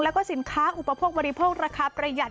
แล้วก็สินค้าอุปโภคบริโภคราคาประหยัด